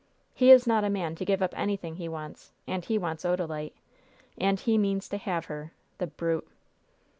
He is not a man to give up anything he wants; and he wants Odalite, and he means to have her the brute!"